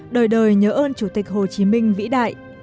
đời đời nhớ ơn chủ tịch hồ chí minh vĩ đại